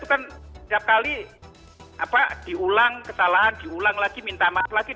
dan kreator kita itu kan tiap kali diulang kesalahan diulang lagi minta maaf lagi